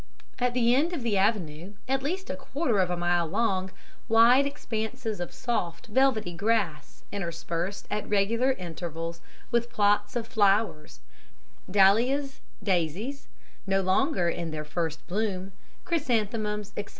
"At the end of the avenue, at least a quarter of a mile long, wide expanses of soft, velvety grass, interspersed at regular intervals with plots of flowers dahlias, michaelmas daisies no longer in their first bloom chrysanthemums, etc.